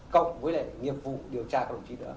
cộng với lại nghiệp vụ điều tra của đồng chí nữa